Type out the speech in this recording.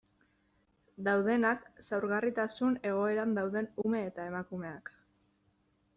Daudenak, zaurgarritasun egoeran dauden ume eta emakumeak...